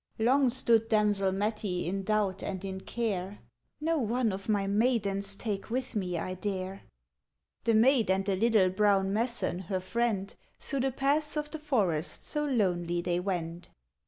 ŌĆØ Long stood damsel Mettie in doubt and in care: ŌĆ£No one of my maidens take with me I dare. ŌĆØ The maid and the little brown messan her friend, Through the paths of the forest so lonely they wend.